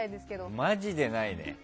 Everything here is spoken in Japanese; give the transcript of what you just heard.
マジでないね。